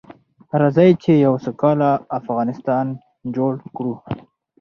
راځئ چې يو سوکاله افغانستان جوړ کړو.